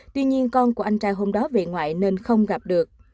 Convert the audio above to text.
tuy nhiên con của anh trai hôm đó về ngoại nên không gặp được